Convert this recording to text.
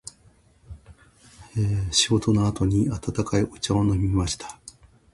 仕事の後に温かいお茶を飲みました。